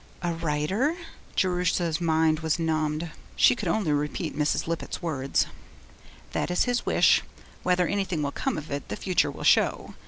'A writer?' Jerusha's mind was numbed. She could only repeat Mrs. Lippett's words. 'That is his wish. Whether anything will come of it, the future will show.